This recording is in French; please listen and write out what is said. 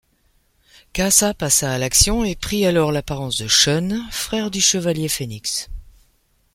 Kaasa passa à l'action et pris alors l'apparence de Shun, frère du chevalier Phénix.